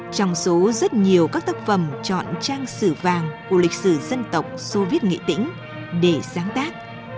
trong số rất nhiều các tác phẩm chọn trang sử vàng của lịch sử dân tộc soviet nghệ tĩnh để sáng tác